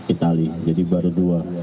itali jadi baru dua